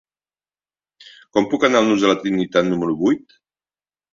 Com puc anar al nus de la Trinitat número vuit?